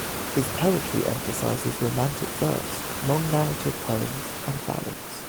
His poetry emphasizes romantic verse, long narrative poems, and ballads.